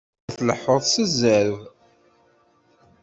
La tleḥḥuḍ s zzerb!